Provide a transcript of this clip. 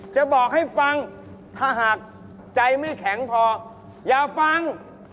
จะบอกให้ฟังถ้าหากใจไม่แข็งพออย่าฟัง